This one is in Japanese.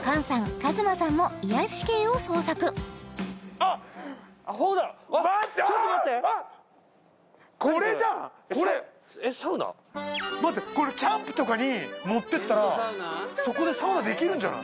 ＫＡＭＡさんも癒やし系を捜索待ってこれキャンプとかに持ってったらそこでサウナできるんじゃない？